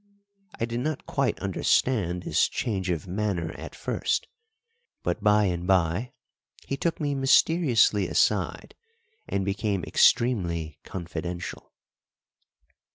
I did not quite understand this change of manner at first, but by and by he took me mysteriously aside and became extremely confidential.